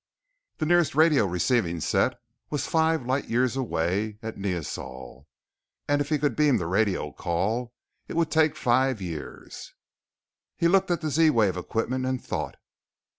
The nearest radio receiving set was five light years away at Neosol, and if he could beam the radio call, it would take five years He looked at the Z wave equipment and thought.